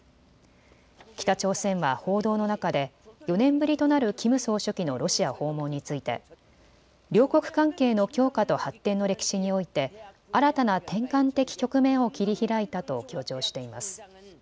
北朝鮮は報道の中で４年ぶりとなるキム総書記のロシア訪問について両国関係の強化と発展の歴史において新たな転換的局面を切り開いたと強調しています。